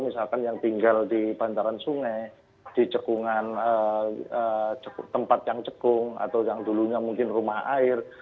misalkan yang tinggal di bantaran sungai di cekungan tempat yang cekung atau yang dulunya mungkin rumah air